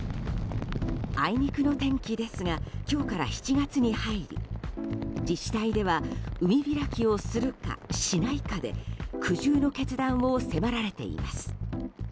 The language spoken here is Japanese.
あいにくの天気ですが今日から７月に入り自治体では海開きをするかしないかで苦渋の決断を迫られています。